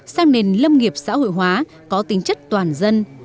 sang nền lâm nghiệp xã hội hóa có tính chất toàn dân